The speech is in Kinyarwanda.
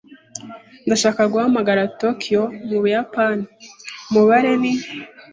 Ndashaka guhamagara Tokiyo, mu Buyapani. Umubare ni -.